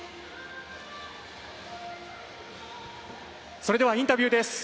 それではインタビューです。